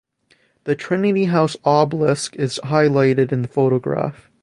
The Trinity House Obelisk is highlighted in the photograph.